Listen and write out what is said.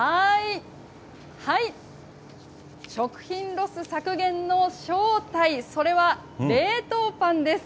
食品ロス削減の正体、それは冷凍パンです。